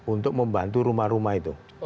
untuk membantu rumah rumah itu